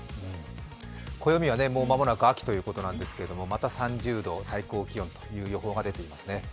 暦は間もなく秋ということなんですがまた３０度、最高気温という予想が出ていますね。